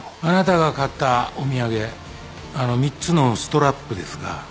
あなたが買ったお土産あの３つのストラップですが。